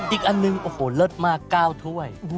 อีกอันหนึ่งโอ้โหเลิศมาก๙ถ้วย